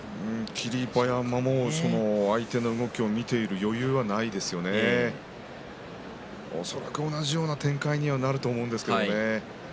霧馬山も相手の動きを見ている余裕はないでしょうから恐らく同じような展開にはなると思います。